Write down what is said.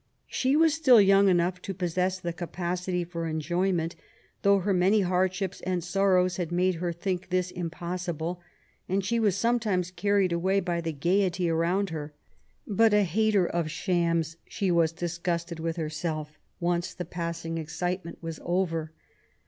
She was still young enough to possess the capacity for enjoyment, though her many hard ships and sorrows had made her think this impossible, and she was sometimes carried away by the gaiety around her. But, a hater of shams, she was disgusted LIFE A8 GOVEBNESa. 61 with herself once the passing excitement was over.